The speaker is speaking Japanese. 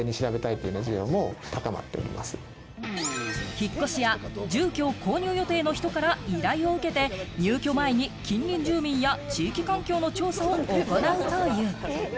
引っ越しや住居を購入予定の人から依頼を受けて、入居前に近隣住民や地域環境の調査を行うという。